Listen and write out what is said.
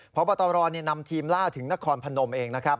พบตรนำทีมล่าถึงนครพนมเองนะครับ